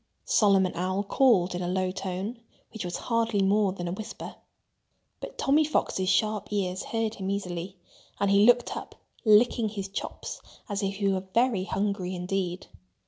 Solomon Owl called in a low tone, which was hardly more than a whisper. But Tommy Fox's sharp ears heard him easily. And he looked up, licking his chops as if he were very hungry indeed.